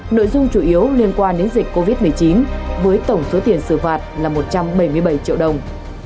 nội dung chủ yếu liên quan đến dịch covid một mươi chín với tổng số tiền xử phạt là một trăm bảy mươi bảy triệu đồng